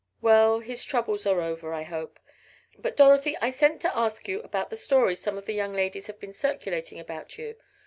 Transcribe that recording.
Well, his troubles are over, I hope. But, Dorothy, I sent to ask you about that story some of the young ladies have been circulating about you.